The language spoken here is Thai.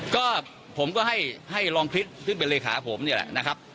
ก็ผมก็ให้รองคริสซึ่งเป็นเลขาผมเนี่ยแหละนะครับ